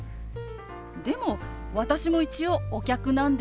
でも私も一応お客なんですけど。